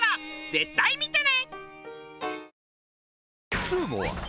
絶対見てね！